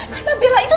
karena bella itu